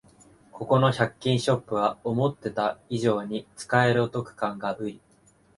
ここの百均ショップは思ってた以上に使えるお得感がウリ